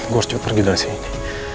gue harus coba pergi dari sini